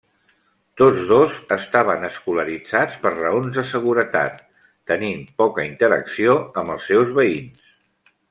Tots dos estaven escolaritzats per raons de seguretat, tenint poca interacció amb els seus veïns.